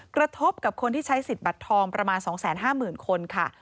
กระทบกับคนที่ใช้สิทธิ์บัตรทองประมาณ๒๕๐๐๐คนค่ะ